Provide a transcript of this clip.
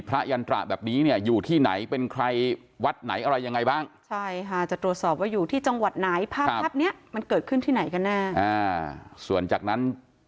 เราก็รอฟังกันต่อไปก็แล้วกัน